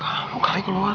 kamu kali keluar